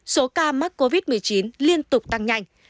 số ca mắc covid một mươi chín liên tục tăng nhanh